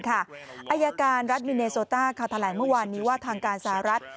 อายการรัฐมิเนสโซตาข้าทำแบ่งเมื่อวานว่าทางการสหรัฐ